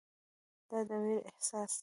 دا د ویرې احساس دی.